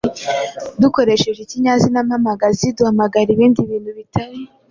dukoresheje ikinyazina mpamagazi duhamagara ibindi bintu bitari